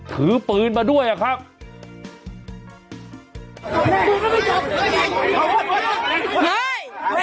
ถือปืนมาด้วยอะครับ